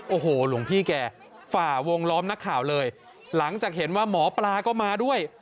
โอ้โหหลวงพี่แกฝ่าวงล้อมนักข่าวเลยหลังจากเห็นว่าหมอปลาก็มาด้วย